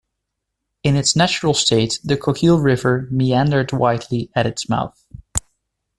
In its natural state, the Coquille River meandered widely at its mouth.